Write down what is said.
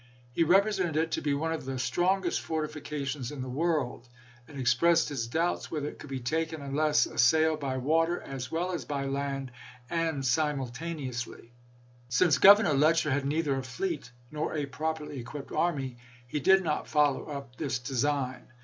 He represented it to be one of the strongest fortifications in the world, and expressed his doubts whether it could be taken unless as sailed by water as well as by land, and simultane Letctier,r ously." Since Governor Letcher had neither a fleet Dec. a, m nor a properly equipped army, he did not follow up this design.